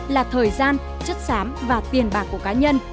là thời gian chất xám và tiền bạc của cá nhân